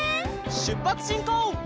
しゅっぱつしんこう！